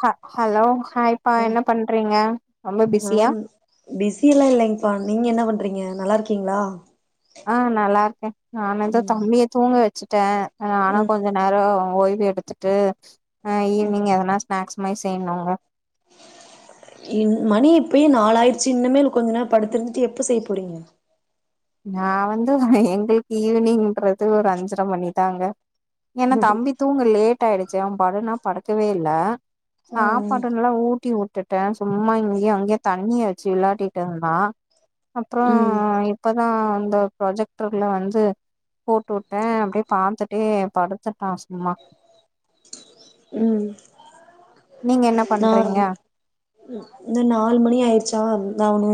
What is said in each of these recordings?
கா ஹலோ ஹாய்பா ம் என்ன பண்றீங்க ரொம்ப ஆ பிஸியா பிஸி எல்லா இல்லைங்கப்பா நீங்க என்ன பண்றீங்க நல்லா இருக்கீங்ளா ஆ நல்லாருக்கே நா நென்ச்சா ம் தம்பிய தூங்க வச்சிட்ட ஆனா ம் கொஞ்ச நேரோ ஓய்வு எடுத்துட்டு் அ ஈவ்னிங் எதனா ஸ்நாக்ஸ் மாரி செய்ணுமாங்க இன் மணி இப்பேயே நாலாயிர்ச்சி இன்னமேல் கொஞ்ச நேரே படுத்திருந்துட்டு எப்ப செய்ய போறீங்க நா வந்து எங்களுக்கு ஈவினிங்ன்றது ஒரு அஞ்சர மணிதாங்க ஏனா தம்பி தூங்க லேட் ஆயிடுச்சி அவ படுனா படுக்கவே இல்ல ம் சாப்பாடு நல்லா ஊட்டி வுட்டூ ட சும்மா இங்கியு அங்கியு தண்ணிய வச்சி விளாடிட்ருந்தா அப்புறோ ம் இப் அதா அந்த ப்ராஜெக்டர்ல வந்து போட்டு வுட்ட அப்டியே பாத்துட்டே படுத்துட்டா சும்மா ம் நீங்க என்ன நா பண்றீங்க இந்த நாலு மணி ஆய்ருச்சா நானு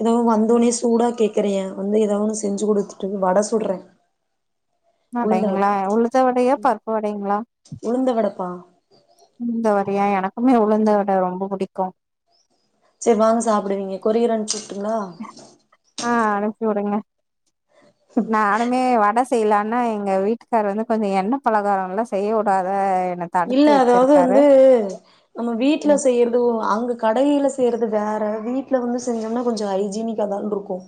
ஏதா வந்தோனே சூடா கேக்குறியா வந்து ஏதோ ஒன்னு செஞ்சு குடுத்துட்டு வட சுட்ற வடைங்ளா உளுத்த வடயா பருப்பு வகைங்ளா உளுந்த வடப்பா உளுந்த வடய எனக்குமே உளுந்த வட ரொம்ப புடிக்கு செர் வாங்க சாப்டுவீங்க கொரியர் அனுச்சுட்டுங்ளா ஆ அனுப்பி வுறங்க நானுமே வட செய்யலானா எங்க வீட்டுக்காரு வந்து கொஞ்ச எண்ண பலகாரம்லா செய்ய வுடாத எனக் இல்ல அதாவது வந்து நம்ம வீட்ல ம் செய்யறது அங்க கடையில செய்யறது வேற வீட்ல வந்து செஞ்சம்னா கொஞ்ச ஹைஜீனிக் தா தா இன்ட்ருக்கு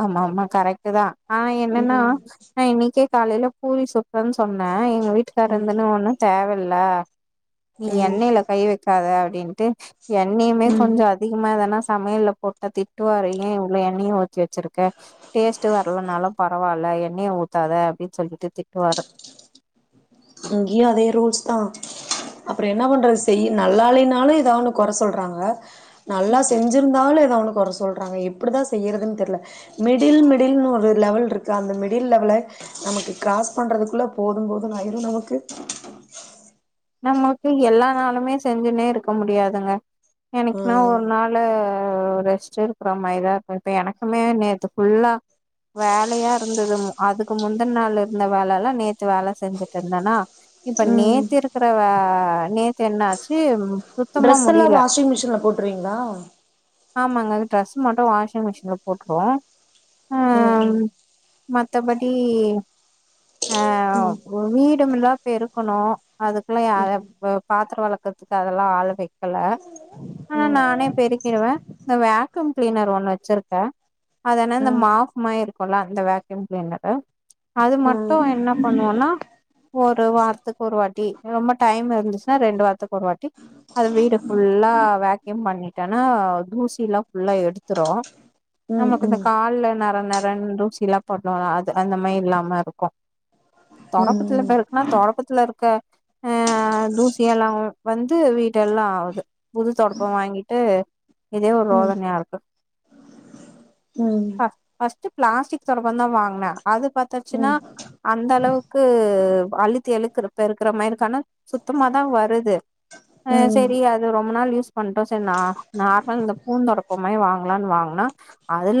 ஆமா ஆமா கரெக்டு தா ஆனா என்னனனா ம் நா இன்னைக்கே காலைல பூரி சுட்றன் சொன்ன எங்க வீட்டுக்காரர் ம் இருந்துனு ஒன்னு தேவல்ல நீ ம் எண்ணல கை வக்காத அப்டின்ட்டு எண்ணயுமே ம் கொஞ்ச அ அதிகமா எதனா சமயல்ல போட்டா திட்டுவாரு ஏ இவ்ளோ எண்ணய ஊத்தி வெச்சிருக்க டேஸ்ட் வரலனாலு பரவால்ல எண்ணய ஊத்தாத அப்டினு சொல்லிட்டு திட்டுவாரு இங்கயு அதே ரூல்ஸ்தா அப்றொ என்னா பண்றது செய் நல்லால்லனாலும் எதாவ ஒண்ணு கொற சொல்றாங்க நல்லா செஞ்சிருந்தாலு எதா ஒன்னு கொற சொல் சொல்றாங்க எப்டிதா செய்யறதுன் தெரியல மிடில் மிடில்னு ஒரு லெவல் இருக்கு அந்த மிடில் லெவல ஒனக்கு கிராஸ் பண்றதுக்குள்ள போது போதுன் ஆயிருது நமக்கு நம்ளுக்கு எல்லா நாளுமே செஞ்சுனே இருக்க முடியாதுங்க என்னைக்கினா ம் ஒரு நாளு ரெஸ்ட்டு ஆமா இதா இருக்கு இப்ப எனக்குமே நேத்து ஃபுல்லா வேலயா இருந்தது அதுக்கு முந்தின நாள் இருந்த வேலைலா நேத்து வேல செஞ்சுட்டு இருந்தன்னா இப்ப ம் நேத்து இருக்கற வ நேத்து என்னாச்சு சுத்தமா முடியல ட்ரெஸ்செல்லாம் வாஷிங் மிஷின்ல போட்ருவிங்களா ஆமாங்க அது ட்ரஸ் மட்டு வாஷிங் மிஷின்ல போட்ருவோ ஆ ம் ம் மத்தபடி அ ம் ஒரு வீடுமெல்லா பெருக்கணு அதுக்குலா யார ம் வ பாத்தரோ வெளக்கற்த்துக்கு அதெல்லா ஆளு வெக்கல ஆ ம் நானே பெருக்கிருவே இந்த வேக்கம் க்ளீனர் ஒன்னு வெச்சிருக்கே அதனா இந்த ம் ம் மாஃப் மாரி இருக்குல்ல இந்த வேக்யூம் க்ளீனரு அது மட்டு என்ன பண்ணுவன்னா ஒரு வார்த்துக்கொரு வாட்டி ரொம்ப டைம் இருந்துச்சுன்னா ரெண்டு வாரத்துக்கு ஒரு வாட்டி அத வீடு ஃபுல்லா வேக்யூம் பண்ணீட்டனா தூசியில்லா ஃபுல்லா எடுத்துரு ம் ம் ம் ம் ம் ம் நமக்கு இந்த காால்ல நற நறன் தூசில்லா படுல்லா அது அந்த மாரி இல்லாம இருக்கு தொடப்பத்துல பெருக்குன்னா தொடப்பத்துல இருக்க அ அந் தூசியெல்லா உ வந்து வீட்டயெல்லா இது புது தொடப்போ வாங்கிட்டு இதே ஒரு ரோதனையா இருக்கு ம் ஃபஸ்ட் பிளாஸ்டிக் தொடப்பதா வாங்குனே அது பாத்தாச்சுன்னா அந்தளவுக்கு அழுத்தி அழுக்குற பெருக்கிற மாரி கணக் சுத்தமாதா வருது அ சேரி அது ரொம்ப நாள் யூஸ் பண்ட்டோ சேர் நா நார்மல் இந்த பூந்தொடப்போ மாரி வாங்லான் வாங்னா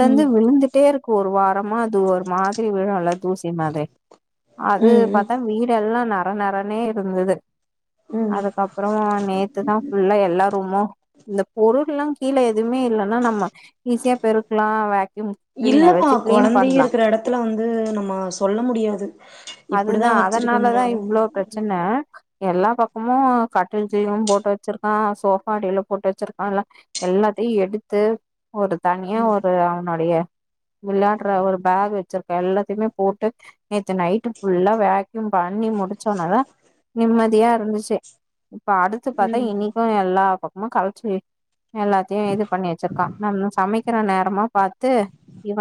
ம் ம் விழுந்துட்டே இருக்கு ஒரு வாரமா அது ஒரு மாதிரி விழுல்ல தூசி மாதிரி அது ம் பாத்தா வீடெல்லா நற நறன்னே இருந்துது ம் அதுக்கப்பறோ நேத்து தா ஃபுல்லா எல்லா ரூமு இந்த பொருள்லா கீழ எதும்மே இல்லன்னா நம்ம ஈஸியா பெருக்கலா வேக்யூம் கிளீனர் இல்லப்பா வச்சு கிளீன் கொழந்த பண்லா இருக்கிற எடத்துல வந்து நம்ம சொல்ல முடியாது அதுதா இப்டிதா அதனாலதா வச்சிருக்கம்னால இவ்ளோ பிரச்சன எல்லா பக்கமு கட்டில் கீழவு போட்டு வெச்சிருக்கா சோபா அடில போட்டு வெச்சிருக்கா எல்லா எல்லாத்தையு எடுத்து ஒரு தனியா ஒரு அவனுடைய விளாட்ற ஒரு பேக் வெச்சிருக்கே எல்லாத்தையுமே போட்டு நேத்து நைட்டு ஃபுல்லா வேக்யூம் பண்ணி முடிச்சொன்னதா நிம்மதியா இருந்துச்சு இப்ப அடுத்து பாத்தா ம் இன்னிக்கு எல்லா பக்கமு கலச்சு விட் எல்லாத்தையு இது பண்ணி வெச்சிருக்கா நம்ம சமைக்கிற நேரமா பாத்து இவ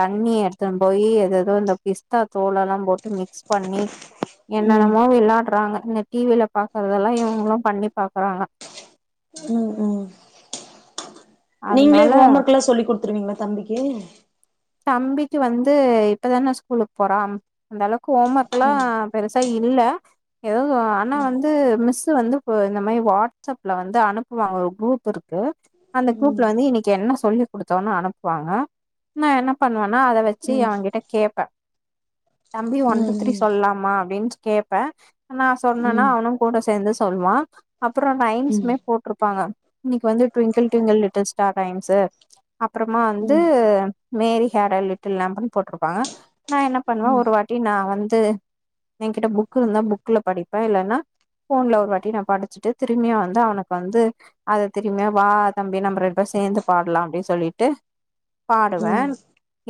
தண்ணி எட்த்துன் போயி எதெதோ இந்த பிஸ்தா தோலெல்லா போட்டு மிக்ஸ் பண்ணி ம் என்னென்னமோ விளாட்றாங்க இந்த டி வி ல பாக்கறதெல்லா இவுங்களு பண்ணி பாக்கறாங்க ம் ம் நீங்ளே அதனால ஹோம் ஒர்க்லா சொல்லி குட்த்துருவீங்ளா தம்பிக்கு தம்பிக்கு வந்து இப்பதான ஸ்கூலுக் போறா அந்தளவுக்கு ஹோம் ஒர்க்ல்லா பெருசா இல்ல எதாவ்து ஆனா வந்து மிஸ்ஸு வந்து ப இந்த மாரி வாட்ஸ்அப்ல வந்து அனுப் வா ஒரு குரூப் இருக்கு அந்த ம் குரூப்ல வந்து இன்னிக் என்ன சொல்லி குடுத்தோன்னு அனுப்புவாங்க நா என்ன பண்ணுவன்னா அத வெச்சி ம் அவங்கிட்ட கேப்பே தம்பி ஒன், டூ, த்ரீ ம் சொல்லா மா அப்டின்ட் கேப்பே நா ம் சொன்னன்னா ம் அவனு கூட சேந்து சொல்வா அப்பறம் ம் ம் ரைம்ஸ்மே போட்டிருப்பாங்க இன்னைக்கு வந்து twinkle twinkle little star rhymes அப்றமா வந்து ம் மேரி ஹேட லிட்டில் லேம்ப்புன் போட்ருப்பாங்க நா என்ன ம் ம் பண்ணுவே ம் ஒரு வாட்டி நா வந்து எங்கிட்ட புக் இருந்தா புக்ல படிப்பே இல்லனா ஃபோன்ல ஒரு வாட்டி நா படிச்சிட்டு திரும்பியு வந்து அவனுக் வந்து அது தெரிமே வா தம்பி நம்ம ரெண் பேர் சேந்து பாட்லா அப்டி சொல்லீட்டு ம் [unintelligible]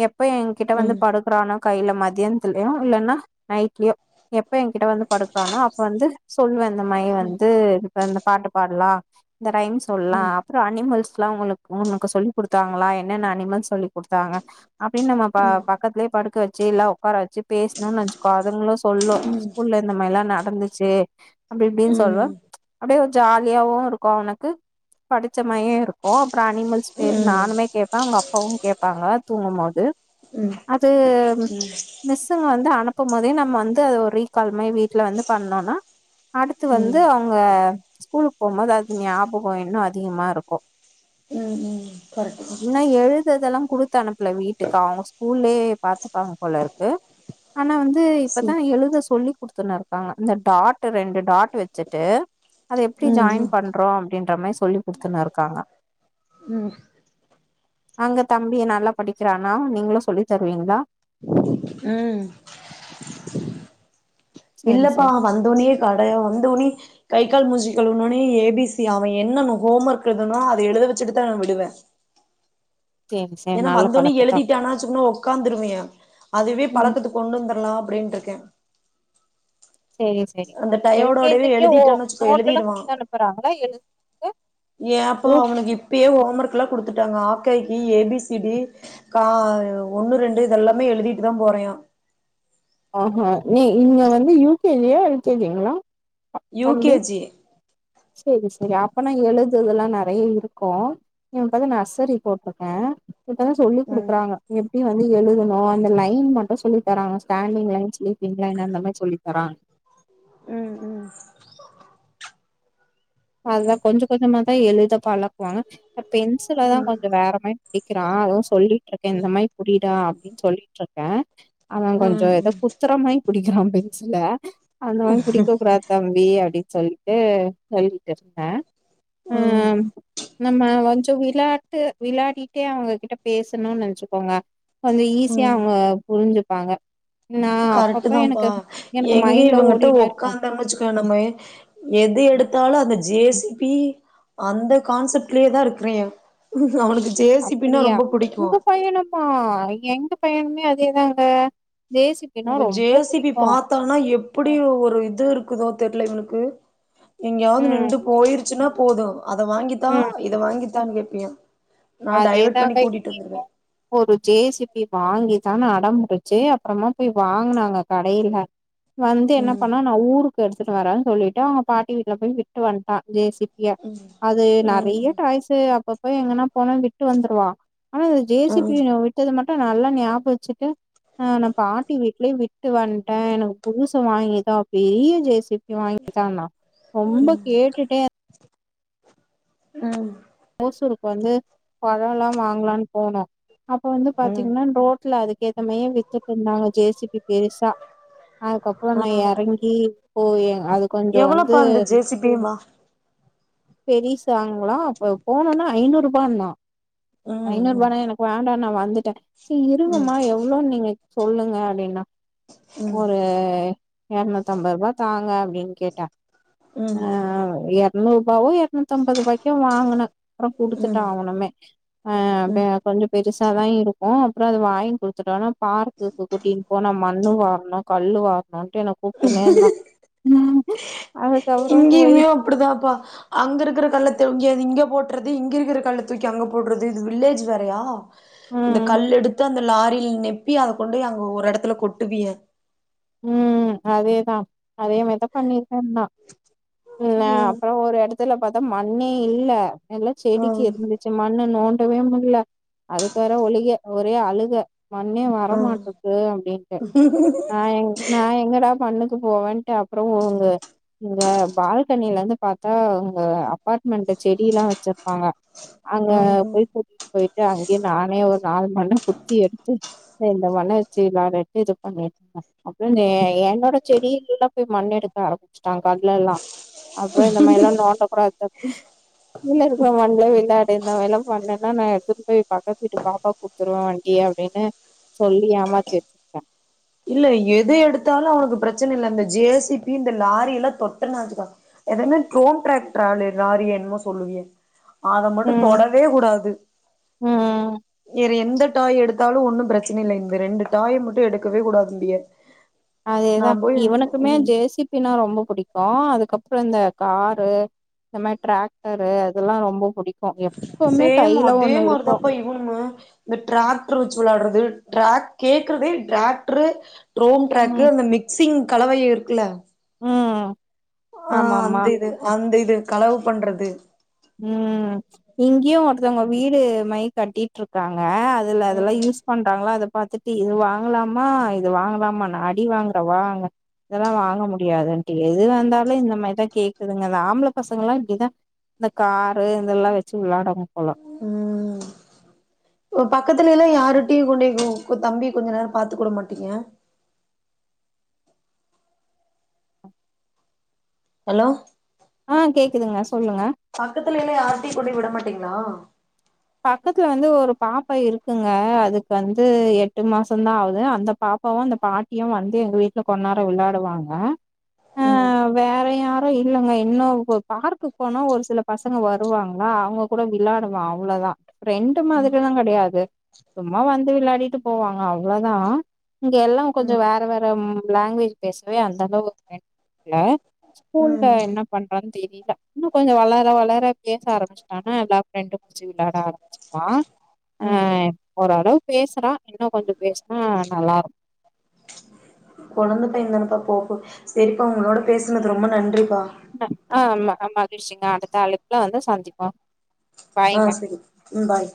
எப்ப எங்கிட்ட வந்து படுக்குறானோ கையில மதியானத்துலயு இல்லன்னா நைட்லயு எப்ப என்கிட்ட வந்து படுக்குறானோ அப்ப வந்து சொல்லுவே இந்த மாரி வந்து இந்த பாட்டு பாடலா இந்த ரைம்ஷ் சொல்லா அப்புறோ அனிமல்ஸ்ல்லா உங்களுக்கு உனக்கு சொல்லிக் குடுத்தாங்களா என்னென்ன அனிமல்ஸ் சொல்லி குடுத்தாங்க அப்டின்னு நம்ம ப ம் பக்கத்துலயே படுக்க வச்சு இல்லா உட்கார வச்சு பேசணும்னு வச்சுக்கோ அதுங்களே சொல்லு ஸ்கூல்ல இந்த மாரில்லா நடந்துச்சு அப்டி இப்டின்னு சொல்லுவ அப்டியே ஒ ஜாலியாவு இருக்கு அவனுக்கு படிச்சமயே இருக்கு அப்பற அனிமல்ஸ் பேரு ம் நானுமே கேப்பே அவங்க அப்பாவு கேப் பாங்க தூங்கு போது ம் ம் அது மிஸ்ஸுங்க வந்து அனுப்பு போதே நம்ம வந்து அத ஒரு ரீகால் மாரி வீட்டுல வந்து பண்ணணு அடுத்து வந்து ம் அவங்க ஸ்கூலுக்கு போகு போது அது ஞாபக இன்னு அதிகமா இருக்கு ம் ம் கரெக்ட் தா ஆனா எழுததெல்லா குடுத்த அனுப்புல வீட்டுக்கு அவங்க ஸ்கூல்லே பாத்துப்பாங்க போல இருக்கு ஆனா வந்து சி இப்பதா எழுத சொல்லி் கொடுத்துன்னாறு காங்க இந்த டாட் ரெண்டு டாட் வச்சுட்டு அத எப்டி ம் ஜாயின் ம் பண்றோ அப்டின்ற மாதிரி சொல்லி் கொடுத்துருந்தாருக்கா அங்க ம் அங்க தம்பி நல்லா படிக்கிறானா நீங்களு சொல்லி தருவீங்களா ம் சேரி இல்லப்பா சேரி வந்தோனியே கடய வந்தோனி கை கால் மூஞ்சி கழுவுனவோனே ஏ பி சி அவன் என்னன்ன ஹோம் ஒர்க் எழுதனுமே அதை எழுத வச்சிட்டுதா நா விடுவே சேரி சேரி ஏன்னா நல்ல வந்தோனே பழக்கத்தா எழுதிட்டானா சும்மா உக்காந்துருவே அதுவே ம் பழக்கத்துக்கு கொண்டு வந்துரலா அப்டின்று இருக்கே [inaudible] சேரி சேரி அந்த டயோடோடவே எல்கேஜக்கே ஓ எழுதிட்டான்னு வச்சுக்கோ நோட் எல்லா எழுதிருவா குடுத்து அனுப்புறாங்களா எழுத்துருத்துக்கு ஏன்ப்ப அவனுக்கு இப்பயே ஹோம் ஒர்க்ல்லா குடுத்துட்டாங்க ஆக்கா யிக்கி ஏ பி சி சிடி கா ஒண்ணு ரெண்டு இதெல்லாமே எழுதிட்டு தா போறேயா ஆமா நீ இங்க வந்து யூ கே ஜியா எல் கே ஜிங்களா யூ கே தம்பி ஜி செரி செரி அப்பனா எழுதுறதெல்லா நெறைய இருக்கு [unintelligible] நர்சரி போட்டிருக்கே இப்பத்தா சொல்லி் ம் குடுக்குறாங்க எப்டி வந்து எழுதனு அந்த லைன் மட்டு சொல்லி தராங்க ஸ்டேண்டிங் லைன் ஸ்ளீப்ங் லைன் அந்த மாரி சொல்லி தராங்க ம் ம் அதா கொஞ்ச கொஞ்சமா தா எழுத பழக்குவாங்க பென்சிலதா ம் கொஞ்ச வேற மாரி புடிக்கிறா அதுவு சொல்லிட்டு இருக்கே இந்த மாரி புடிடா அப்டின்னு சொல்லிட்டு இருக்கே அவ கொஞ்சோ ம் ஏதோ குத்துர மாரி புடிக்கிறா பென்சுல அந்த மாரி புடிக்க கூடாது தம்பி அப்டின்னு சொல்லிட்டு சொல்லிட்டு இருந்தே ம் நம்ப கொஞ்ச விளாட்டு விளாடிட்டே அவுங்ககிட்ட பேசுணோனு நெனச்சுக்கோங்க கொஞ்ச ஈஸியா ம் அவுங்க புரிஞ்சுப்பாங்க நா கரெக்ட் அப்பப்ப தான்பா எனக்கு எனக்கு எங்க மைண்ட்ல இவங்கிட்ட ஓடிட்டே இருக்கு ஒக்காந்தோனு வச்சுக்க நம்ம எது எடுத்தாலு அந்த ஜே சி பி அந்த கான்செப்ட்லயே தா இருக்கிறே அவனுக்கு ஜே சி பின்னா ரொம்ப புடிக்கு ஆ எங்க பையனுமே அதேதாங்க ஜே சி பி னா ரொம்ப புடிக்கு தனா எப்புடி ஒரு இது இருக்குதோ தெரியல இவனுக்கு எங்கயாவது ம் நின்டு போயிரு ச்சுனா போது அத வாங்கித்தா இத வாங்கித்தான்னு கேப்பியா நா அதே டைவர்ட் பண்ணி தாங்க கூட்டிட்டு இங்கேயு வந்துருவே ஒரு ஜேசிபி வாங்கிதா அடம்புடுச்சு அப்பறமா போய் வாங்குனாங்க கடையில வந்து என்ன ம் பண்ணா நா ஊருக்கு எடுத்துட்டு வரே சொல்லிட்டு அவுங்க பாட்டி வீட்டுல போய் விட்டு வன்ட்டா ஜே சி பி க அது நெறைய ம் டாய்ஸ்ஸு அப்பப்ப எங்கனா போனோ விட்டு வந்துருவா ஆனா இந்த ஜே சி ம் பினா வே த்தது மட்டும் நல்லா ஞாபோ வச்சிட்டு ஆ நா பாட்டி வீட்லயே விட்டு வந்ட்டேன் எனகு புதுசு வாங்கிதா பெரிய ஜெசிபி வாங்கிதானா ரொம்ப கேட்டுட்டே ம் ஓசூருக்கு வந்து பழல்லா வாங்கலான் போனோ அப்ப வந்து ம் ம் பாத்தீங்கன்னா ரோட்ல அதுக்கு ஏத்தமையே வித்துட்ட்ருந்தாங்க ஜேசிபி பெருசா அதுக்கப்புறம் ஆ நா எறங்கி போய் அது எவ்வளோப்பா இந்த ஜேசிபீமா பெரிஸ்சாங்ளா அப்ப போனோன்ன ஐந்நூர் ரூபான்னா ஐநூர் ம் ரூபான எனக்கு வேண்டான் நா வந்துட்டேன் செர் ம் இருவமா எவ் எவ்ளோ நீங்க சொல்லுங்க அப்டின்னா ம் ஒரு எர்நூத்தம்பது ரூபா தாங்க அப்டின் கேட்ட ம் ம் ஆ எர்நூறுபாவோ எர் நூத்தம்பது ரூபாய்க்கு வாங்கன அப்றோ குடுத்துட்டா ம் ஆவனுமே ஆ ப ம் கொஞ்ச பெருசாதா இருக்கு அப்புறோ அது வாயங்கி குடுத்துட்டோனா பார்க் துக கூட்டின் போனா மண்ணு வார்ணும் கள்ளு வார்ணும் ட்டு என கூட்டுனேனா அதுக்கு அவரும் போய் அப்புடிதாபா அங்க இருக்குற கல்லத்த இங்கது இங்க போட்றது இங்க இருக்கற கல்ல தூக்கி அங்க போட்றது இது வில்லேஜ் வேறயா இந்த ம் கல்லெடுத்து அந்த லாரியில நெப்பி அத கொண்டு அங்க ஒரு எடத்துல கொட்டுவியே ம் அதேதா அதே மாரி தப்பா நீ பண்ணுன்னா இல்ல ம் அப்பறோ ஒரு எடத்து த்துல பத்தா மண்ணே இல்ல எல்லா செடிக்கு ம் இருந்துச்சு மண்ணு நோ டவே முடியில அதுக்கு வேற ஒலிக ஒரே அழுக மண்ணே வரமாட்டது அப்டின்ட்டு ஹ எங்க வீட்ல நா எங்கடா பண்ணுக்கு போவன்ட்டு அப்றோ உங்க இங்க பால்கனில இருந்து பாத்தா உங்க அப்பார் மண்ட செடி எல்லா வெச்சிருப்பாங்க அங்க ம் ம் போய் கூட் போயிட்டு அங்கியே நானே ஒரு நாலு மண்ண குத்தி எடுத்து இந்த மண்ணச்சி வெளாடுட்டு இது பண்ணி அப்றோஎன்னோட செடியில எல்லாம் போய் மண் எடுக்க ஆரம்பிச்சுட்டாங்க அதுல எல்லாம் அப்றோ இந்த மாரில்ல நோட்டக் கூடாது தப்பி வீல ரூபா மண்ல வெளாடு இந்த மார்ல்லா பண்ணன்னா நா எடுத்துட்டு போய் பக்கத்து வீட்டு பாப்பாக் குடுத்துர்வோம் வண்டிய அப்டினு சொல்லி ஏமாத்தி வச் இல்ல எத எடுத்தாலும் அவனுக்கு பெரச்சன இல்ல இந்த ஜேசிபி இந்த லாரி எல்லாம் தொட்டன்னாச்சுக்க எதன்ன ட்ரோன் ட்ரக் ட்ராலி லாரி என்மோ சொல்லுவியே அத மட்டும் ம் தொட வே கூடாது ம் யேற எந்த டாய் எடுத்தாலும் ஒன்னும் பிரச்சனை இல்ல இந்த ரெண்டு டாய மட்டும் எடுக்கவே கூடா கம்பிய அதேதா இவனுக்குமே ஜேசிபி னா ரொம்ப புடிக்கும் அதுக்கப்றோ இந்த காரு நம்ம டிராக்டரு அதெல்லா ரொம்ப புடிக்கும் எப்பவுமே கையில ஒண்ணு இருக்கும் ஆமா இந்த டிராக்டர் வெச்சு விளாடுறது கேக்குறதே டிராக்டரு ட்ரோம் ட்ராக்கு ம் அந்த மிக்சிங் கலவைய இருக்குல்ல ம் ஆ ஆமாமா அந்த இது அந்த இது கலவ பண்றது ம் இங்கயு ஒருத்தங்க வீடு மை கட்டி ட்ருக்காங்க அதுல அதெல்லா ம் யூஸ் பண்றாங்ளா அத பாத்துட்டு இது வாங்கலாமா இது வாங்கலாமா நா அடி வாங்கறன் வா அங்க இதெல்லா வாங்க முடியாதுன்ட்டு எது வந்தாலு இந்த மாரிதான் கேக்குதுங்க அந்த ஆம்பள பசங்க எல்லா இப்டிதான் இந்த காரு இதெல்லா வெச்சு வெளாடுங்கப்பா ம் ஒ பக்கத்துலேலா யாரிட்டையு கொண்டேய் கு கு தம்பி கொஞ்சோ நேரோ பாத்துக்க வுட மாட்டீங்க ஹலோ ஆ கேக்குதுங்க சொல்லுங்க பக்கத்துல எல்லா யார்ட்டயு கொண்டு விட மாட்டீங்ளா பக்கத்துல வந்து ஒரு பாப்பா இருக்குங்க அதுக்கு வந்து எட்டு மாசந்தா ஆவுது அந்தப் பாப்பாவு அந்த பாட்டியும் வந்து எங்க வீட்ல கொஞ்சோ நேரோ வெளாடுவாங்க ம் வேற யாரு இல்லங்க இன்னு பார்க்கு போனா ஒரு சில பசங்க வருவாங்ளா அவுங்க கூட விளாடுவான் அவ்ளதான் ஃப்ரெண்டு மாதிரியெல்லாங் கெடையாது சும்மா வந்து விளையாடிட்டு போவாங்க அவ்ளதான் இங்க எல்லா கொஞ்சோ ம் வேற வேறம் லாங்வேஜ் பேசவே அந்தளவுக்கு [unintelligible] ஸ்கூல்ல ம் என்னப் பண்றான் தெரில இன்னு கொஞ்சோ வளர வளர பேச ஆரம்பிச்சுட்டானா எல்லா ப்ரெண்டு படிச்சு விளாட ஆரம்பிச்சிருவான் ஆ ம் ஓரளவுக்கு பேசறான் இன்னு கொஞ்சோ பேசனா நல்லா இருக்கு கொழந்தப்ப இந்தானப்பா போகு சேரிப்பா உங்களோட பேசினது ரொம்ப நன்றிப்பா அ ஆ ஆமா ஆ மகிழ்ச்சிங்க அடுத்த அழைப்ல வந்து சந்திப்போ ஆ பாய்ங்க சரி ம் பாய்